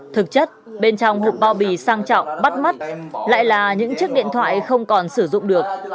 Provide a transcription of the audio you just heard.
thực chất bên trong hộp bao bì sang trọng bắt mắt lại là những chiếc điện thoại không còn sử dụng được